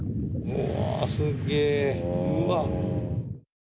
うわ。